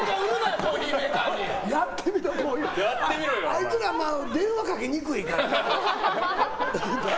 あいつら電話かけにくいからな。